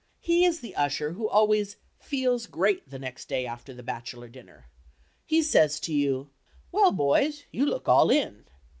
He is the usher who always "feels great" the next day after the bachelor dinner. He says to you, "Well, boys, you look all in."